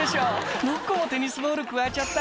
「６個もテニスボールくわえちゃった」